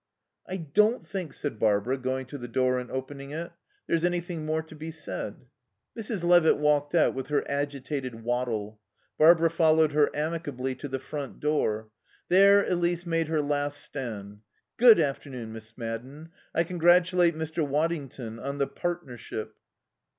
"I don't think," said Barbara, going to the door and opening it, "there's anything more to be said." Mrs. Levitt walked out with her agitated waddle. Barbara followed her amicably to the front door. There Elise made her last stand. "Good afternoon, Miss Madden. I congratulate Mr. Waddington on the partnership."